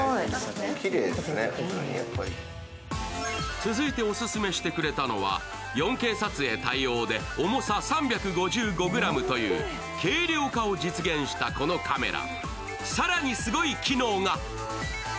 続いてオススメしてくれたのは４Ｋ撮影対応で重さ３５５ｇという軽量化を実現したこのカメラ。